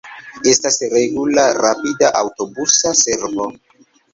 Estas regula rapida aŭtobusa servo.